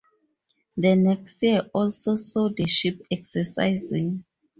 The next year also saw the ship exercising.